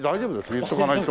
言っとかないと。